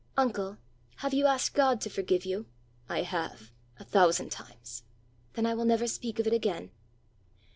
"Uncle, have you asked God to forgive you!" "I have a thousand times." "Then I will never speak of it again."